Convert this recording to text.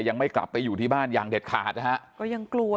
ยังไม่กลับไปอยู่ที่บ้านอย่างเด็ดขาดนะฮะก็ยังกลัว